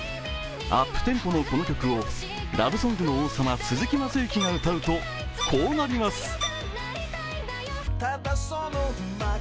アップテンポのこの曲をラブソングの王様・鈴木雅之が歌うと、こうなります。